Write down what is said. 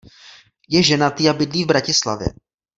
Je ženatý a bydlí v Bratislavě.